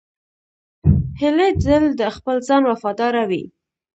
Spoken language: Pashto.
هیلۍ تل د خپل ځای وفاداره وي